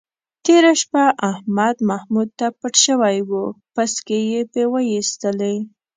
تېره شپه احمد محمود ته پټ شوی و، پسکې یې پې وایستلی.